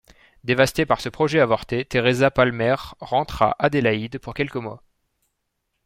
Dévastée par ce projet avorté, Teresa Palmer rentre à Adélaïde pour quelques mois.